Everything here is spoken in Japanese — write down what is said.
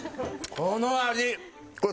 この味！